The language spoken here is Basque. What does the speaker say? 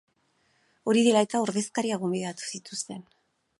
Hori dela eta, ordezkariak gonbidatu zituzten.